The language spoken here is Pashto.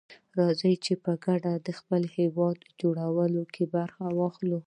راځي چي په ګډه دخپل هيواد په جوړولو کي برخه واخلو.